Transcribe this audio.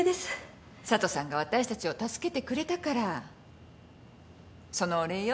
佐都さんが私たちを助けてくれたからそのお礼よ。